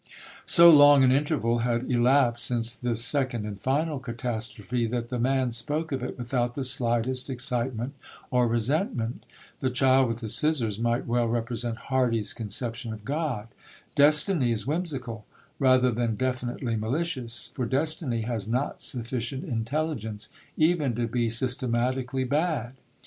So long an interval had elapsed since this second and final catastrophe, that the man spoke of it without the slightest excitement or resentment. The child with the scissors might well represent Hardy's conception of God. Destiny is whimsical, rather than definitely malicious; for Destiny has not sufficient intelligence even to be systematically bad.